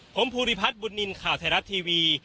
ผมภูริพัฒน์บุญนินทร์ข่าวไทยรัฐทีวี